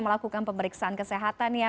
melakukan pemeriksaan kesehatan ya